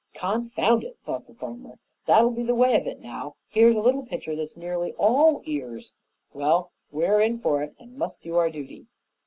"Confound it!" thought the farmer. "That'll be the way of it now. Here's a little pitcher that's nearly all ears. Well, we're in for it and must do our duty."